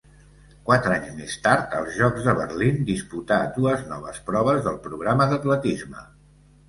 Quatre anys més tard, als Jocs de Berlín, disputà dues noves proves del programa d'atletisme.